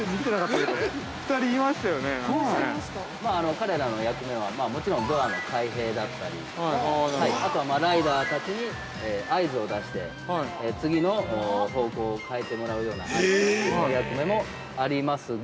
彼らの役目は、もちろんドアの開閉だったり、あとはライダーたちに合図を出して、次の方向を変えてもらうような合図の役目もありますが。